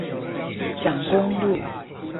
蔣公路